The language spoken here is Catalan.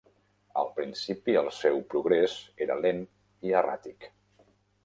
Al principi el seu progrés era lent i erràtic.